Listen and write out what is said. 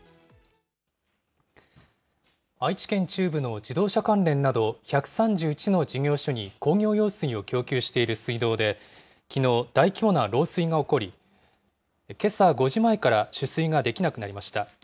愛知県中部の自動車関連など１３１の事業所に工業用水を供給している水道で、きのう、大規模な漏水が起こり、けさ５時前から取水ができなくなりました。